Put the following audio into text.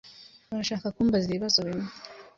Urashaka kumbaza ibibazo bimwe?